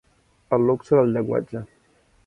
El luxe del llenguatge.